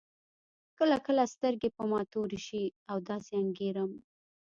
کله کله سترګې په ما تورې شي او داسې انګېرم.